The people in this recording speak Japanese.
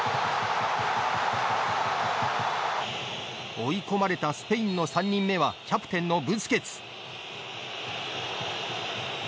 追い込まれたスペインの３人目はキャプテンのブスケツ。